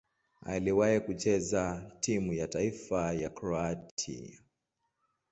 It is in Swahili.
Aliwahi kucheza timu ya taifa ya Kroatia.